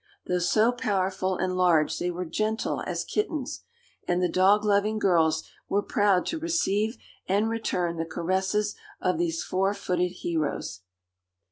Though so powerful and large they were gentle as kittens, and the dog loving girls were proud to receive and return the caresses of these four footed heroes.